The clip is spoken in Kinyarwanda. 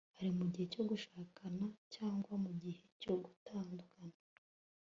ari mu gihe cyo gushakana cyangwa mu gihe cyo gutandukana